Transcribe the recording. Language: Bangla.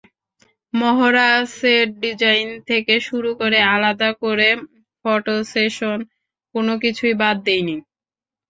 মহড়া, সেট ডিজাইন থেকে শুরু করে আলাদা করে ফটোসেশন—কোনো কিছুই বাদ দিইনি।